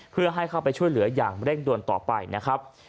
เพื่อให้เข้าไปช่วยเหลืออย่างเร่งด่วนต่อไปนะครับ